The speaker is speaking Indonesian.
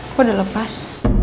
aku udah lepas